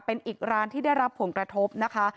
เป็นอีกร้านที่ได้รับผลกระทบนะคะ